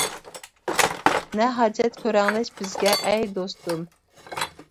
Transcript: نە ھاجەت كۆرەڭلەش بىزگە ئەي دوستۇم!